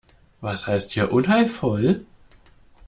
Was heißt hier unheilvoll?